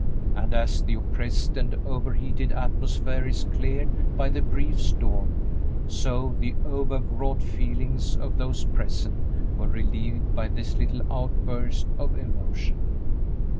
And as the oppressed and overheated atmosphere is cleared by the brief storm, so the overwrought feelings of those present were relieved by this little outburst of emotion.